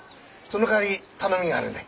そのかわり頼みがあるんだ。